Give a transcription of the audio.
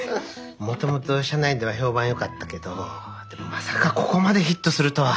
もともと社内では評判よかったけどでもまさかここまでヒットするとは。